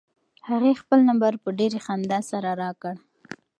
هغې خپل نمبر په ډېرې خندا سره راکړ.